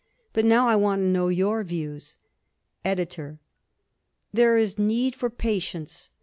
But now I want to know your views. EDITOR: There is need for patience.